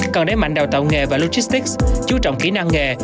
cần đẩy mạnh đào tạo nghề và logistics chú trọng kỹ năng nghề